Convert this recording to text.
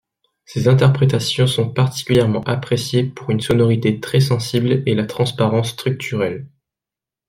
Ses interprétations sont particulièrement appréciées pour une sonorité très sensible et la transparence structurelle.